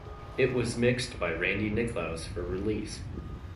It was mixed by Randy Nicklaus for release.